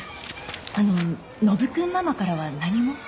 あのノブ君ママからは何も？